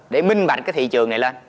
để minh bạch cái thị trường này lên